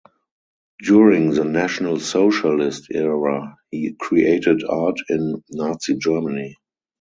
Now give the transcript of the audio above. During the National Socialist era he created art in Nazi Germany.